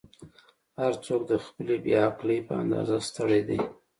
"هر څوک د خپلې بې عقلۍ په اندازه ستړی دی.